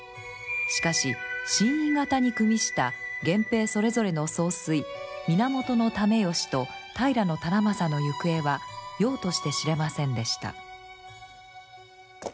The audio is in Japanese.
しかし新院方にくみした源平それぞれの総帥源爲義と平忠正のゆくえはようとして知れませんでした。